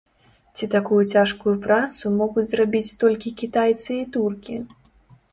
Ці такую цяжкую працу могуць зрабіць толькі кітайцы і туркі?